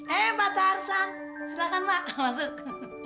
eh pak tarzan silakan pak masuk